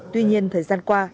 tuy nhiên thời gian qua